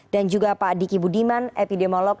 juga pak diki budiman epidemiolog